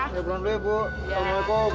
selamat bulan dulu ya bu assalamualaikum